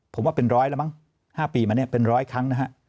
ผมว่าเป็นร้อยแล้วมั้ง๕ปีมาเนี่ยเป็นร้อยครั้งนะฮะ